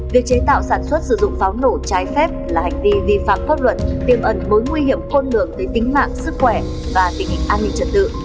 việc chế tạo sản xuất sử dụng pháo nổ trái phép là hành vi vi phạm pháp luật tiêm ẩn mối nguy hiểm khôn lường tới tính mạng sức khỏe và tình hình an ninh trật tự